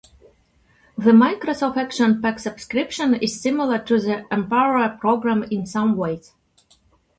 The Microsoft Action Pack Subscription is similar to the Empower Program in some ways.